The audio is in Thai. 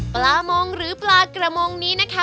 ปลามงหรือปลากระมงนี้นะคะ